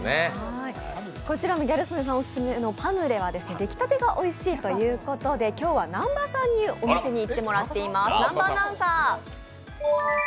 ギャル曽根さんオススメのパヌレは出来たてがおいしいということで今日は南波さんにお店に行ってもらっています。